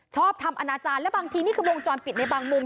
ชอบทำอนาจารย์และบางทีนี่คือวงจรปิดในบางมุม